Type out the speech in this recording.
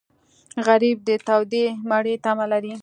غریب د تودې مړۍ تمه لري